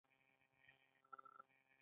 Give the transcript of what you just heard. آیا ایران اوس د بیارغونې تجربه نلري؟